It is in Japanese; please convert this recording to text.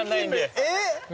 えっ？